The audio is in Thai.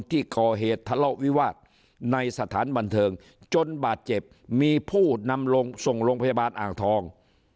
ที่ก่อเหตุทะเลาะวิวาสในสถานบันเทิงจนบาดเจ็บมีผู้นำลงส่งโรงพยาบาลอ่างทอง